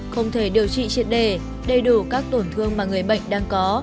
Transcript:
không thể điều trị triệt đề đầy đủ các tổn thương mà người bệnh đang có